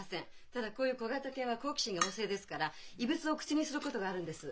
ただこういう小型犬は好奇心が旺盛ですから異物を口にすることがあるんです。